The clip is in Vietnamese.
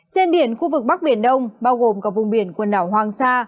trên biển khu vực bắc biển đông bao gồm cả vùng biển quần đảo hoàng sa